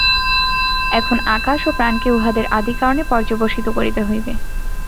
এখন আকাশ ও প্রাণকে উহাদের আদিকারণে পর্যবসিত করিতে হইবে।